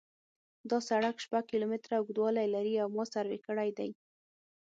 دا سرک شپږ کیلومتره اوږدوالی لري او ما سروې کړی دی